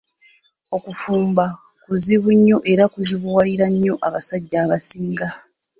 Okufumba kuzibu nnyo era kuzibuwalira nnyo abasajja abasinga.